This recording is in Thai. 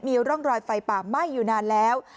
มีร่องรอยไฟป่าไหม้อยู่นานแล้ว